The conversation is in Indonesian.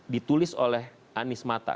ditulis oleh anies mata